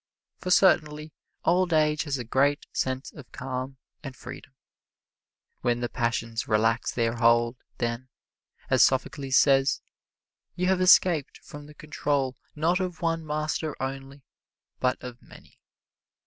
For certainly old age has a great sense of calm and freedom; when the passions relax their hold, then, as Sophocles says, you have escaped from the control not of one master only, but of many.